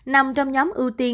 nằm trong nhóm ưu tiên